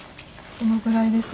そのぐらいでしたね。